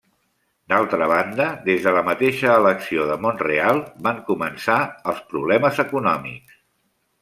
D'altra banda, des de la mateixa elecció de Mont-real van començar els problemes econòmics.